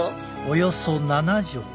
およそ７畳。